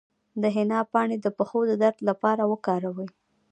د حنا پاڼې د پښو د درد لپاره وکاروئ